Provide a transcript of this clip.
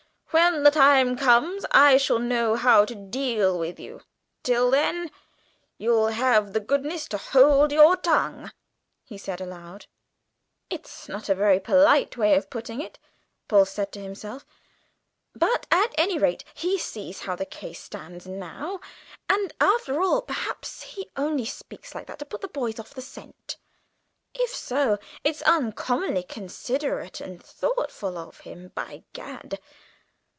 "When the time comes I shall know how to deal with you. Till then you'll have the goodness to hold your tongue," he said aloud. "It's not a very polite way of putting it," Paul said to himself, "but, at any rate, he sees how the case stands now, and after all, perhaps, he only speaks like that to put the boys off the scent. If so, it's uncommonly considerate and thoughtful of him, by Gad.